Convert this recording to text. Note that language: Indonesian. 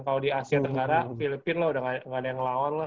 kalau di asia tenggara filipina lah udah gak ada yang lawan lah